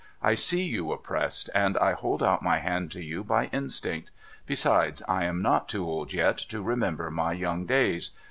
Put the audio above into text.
I see you oppressed, and I hold out my hand to you by instinct. Besides, I am not too old yet, to remember my young days.